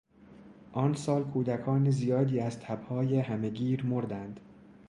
آن سال کودکان زیادی از تب های همه گیر مردند.